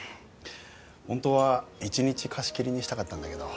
ほんとは一日貸し切りにしたかったんだけど。